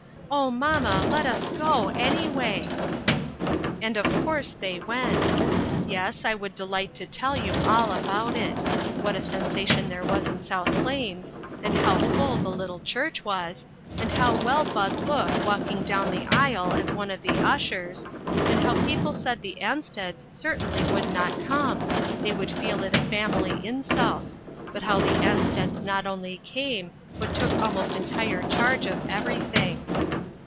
Oh, mamma, let us go anyway" And of course they went. Yes, I would delight to tell you all about it. What a sensation there was in South Plains, and how full the little church was, and how well Bud looked walking down the aisle as one of the ushers, and how people said the Ansteds certainly would not come, they would feel it a family insult, but how the Ansteds not only came, but took almost en tire charge of everything.